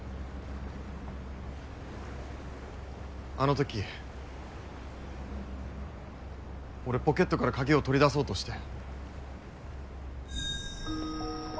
あのとき俺ポケットから鍵を取り出そうとして。